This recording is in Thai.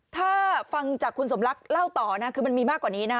ถ้าฟังจากคุณสมรักเล่าต่อนะคือมันมีมากกว่านี้นะ